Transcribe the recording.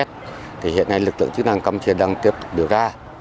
hiện nay lực lượng chức năng campuchia đang tiếp tục điều tra